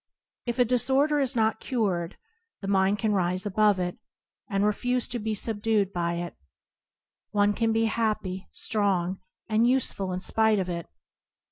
If a disorder is not cured, the mind can [ 32] IBoOp ano Circum0tance rise above it, and refuse to be subdued by it. One can be happy, strong, and useful in spite of it.